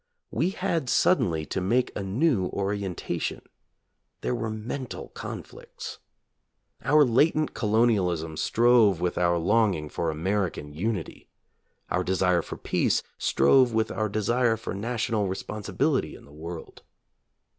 We had suddenly to make a new orientation. There were mental conflicts. Our latent colonialism strove with our longing for American unity. Our desire for peace strove with our desire for national responsibility in the world.